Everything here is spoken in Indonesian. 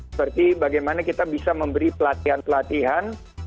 seperti bagaimana kita bisa memberi pelatihan pelatihan